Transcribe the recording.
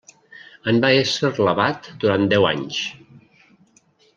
En va ésser l'abat durant deu anys.